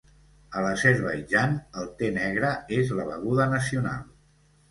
A l'Azerbaidjan, el te negre és la beguda nacional.